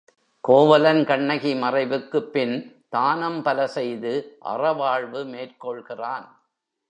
கோவலன் கண்ணகி மறைவுக்குப்பின் தானம் பல செய்து அறவாழ்வு மேற்கொள்கிறான்.